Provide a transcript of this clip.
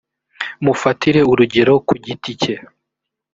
mufatire urugero ku giti cye